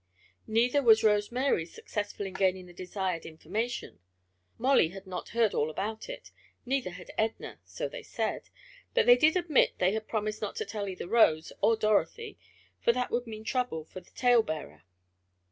Neither was Rose Mary successful in gaining the desired information. Molly had not heard all about it, neither had Edna, so they said, but they did admit they had promised not to tell either Rose or Dorothy, for that would mean trouble for the tale bearer.